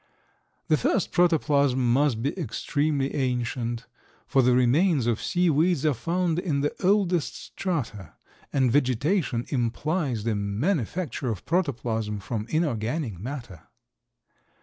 The first protoplasm must be extremely ancient, for the remains of sea weeds are found in the oldest strata, and vegetation implies the manufacture of protoplasm from inorganic matter.